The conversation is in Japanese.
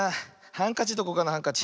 ハンカチどこかなハンカチ。